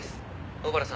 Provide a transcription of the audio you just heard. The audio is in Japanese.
小原さん